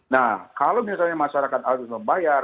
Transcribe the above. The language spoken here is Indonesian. nah kalau misalnya masyarakat harus membayar